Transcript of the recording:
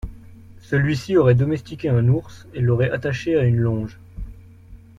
Celui-ci aurait domestiqué un ours et l'aurait attaché à une longe.